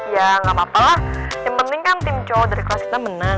ya nggak apa apa lah yang penting kan tim co dari kelas kita menang